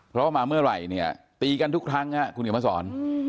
เพราะว่ามาเมื่อไหร่เนี่ยตีกันทุกครั้งฮะคุณเขียนมาสอน